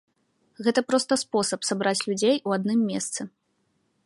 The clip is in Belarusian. Гэта проста спосаб сабраць людзей у адным месцы.